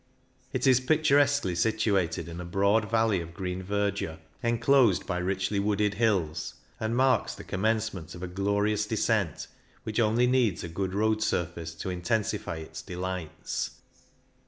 It is picturesquely situated in a broad valley of green verdure, enclosed by richly wooded hills, and marks the commence ment of a glorious descent which only needs a good road surface to intensify its delights.